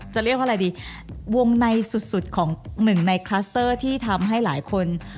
จะเรียกว่าอะไรดีวงในสุดของหนึ่งในคลัสเตอร์ที่ทำให้หลายคน